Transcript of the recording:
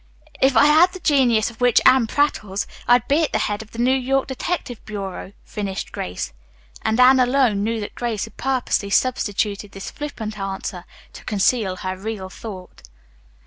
"If I had the genius of which Arline prattles, I'd be at the head of the New York Detective Bureau," finished Grace. And Anne alone knew that Grace had purposely substituted this flippant answer to conceal her real thought.